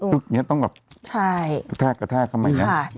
อย่างเงี้ยต้องแบบใช่กระแทกกระแทกทำไมเนี้ยค่ะ